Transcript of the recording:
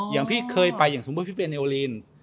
อย่างพี่เคยไปอย่างสมมุติพี่เป็นเอโลลีน